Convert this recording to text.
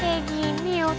saya juga ikut